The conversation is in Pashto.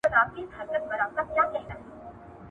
ټولنيز فکري سابقه تر کنت ډېره زړه ده.